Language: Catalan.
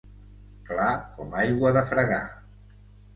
Clar com aigua de fregar.